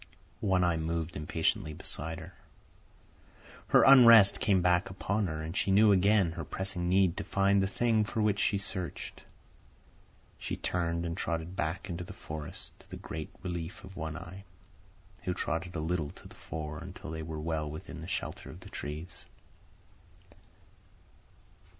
One Eye moved impatiently beside her; her unrest came back upon her, and she knew again her pressing need to find the thing for which she searched. She turned and trotted back into the forest, to the great relief of One Eye, who trotted a little to the fore until they were well within the shelter of the trees.